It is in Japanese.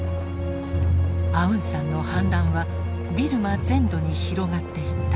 アウンサンの反乱はビルマ全土に広がっていった。